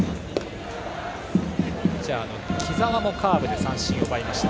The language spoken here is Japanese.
ピッチャーの木澤もカーブで三振を奪いました。